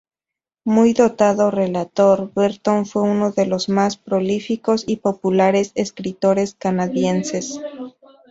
Muy dotado relator, Berton fue uno de los más prolíficos y populares escritores canadienses.